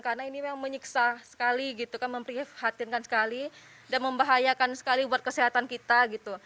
karena ini yang menyiksa sekali gitu kan memprihatinkan sekali dan membahayakan sekali buat kesehatan kita gitu